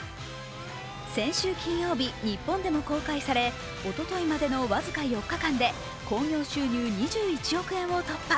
先週金曜日、日本でも公開され、おとといまでの僅か４日間で興行収入２１億円を突破。